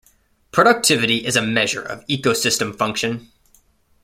Productivity is a measure of ecosystem function.